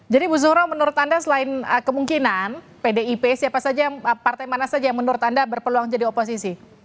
jadi bu suhro menurut anda selain kemungkinan pdip siapa saja partai mana saja menurut anda berpeluang jadi oposisi